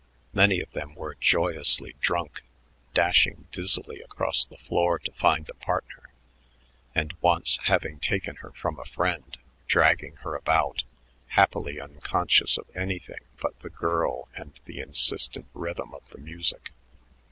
Many of them were joyously drunk, dashing dizzily across the floor to find a partner, and once having taken her from a friend, dragging her about, happily unconscious of anything but the girl and the insistent rhythm of the music.